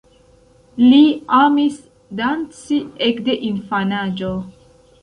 Li amis danci ekde infanaĝo.